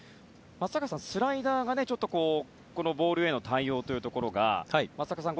松坂さん、スライダーがボールへの対応というところが松坂さん